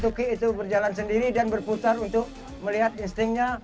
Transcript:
tuki itu berjalan sendiri dan berputar untuk melihat instingnya